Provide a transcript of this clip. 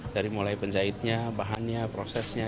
dari mulai penjahitnya bahannya prosesnya